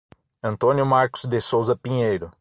Antônio Marcos de Souza Pinheiro